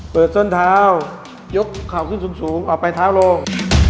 เปิดส้นเท้ายกข่าวขึ้นสูงสูงออกไปเท้าลง